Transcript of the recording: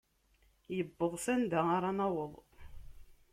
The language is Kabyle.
Iwweḍ s anda ara naweḍ.